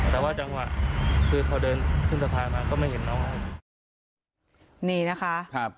แต่ว่าจังหวะพอเดินขึ้นสะพานมาก็ไม่เห็นน้อง